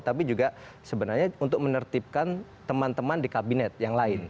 tapi juga sebenarnya untuk menertibkan teman teman di kabinet yang lain